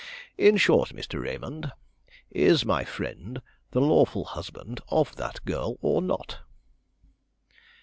In short, Mr. Raymond, is my friend the lawful husband of that girl or not?"